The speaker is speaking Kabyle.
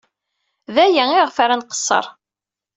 D aya ayɣef ara nqeṣṣer.